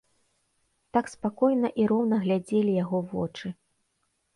Так спакойна і роўна глядзелі яго вочы.